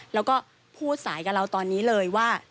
แล้วก็พูดสายกับเราตอนนี้เลยว่า